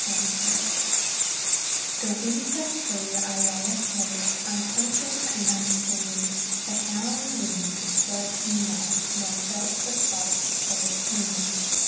THE BUD The winter through I lay asleep, Unconscious and unseen; The howling winds disturbed me not, Nor felt the frost tho' keen.